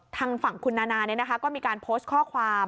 ทางฝั่งคุณนานาก็มีการโพสต์ข้อความ